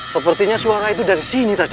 sepertinya suara itu dari sini tadi